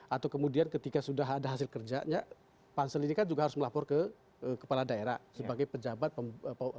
atau kemudian ketika sudah ada hasil kerjanya pansel ini kan juga harus melapor ke kepala daerah sebagai pejabat pemerintah